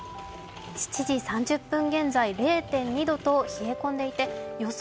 ７時３０分現在０．２度と冷え込んでいて予想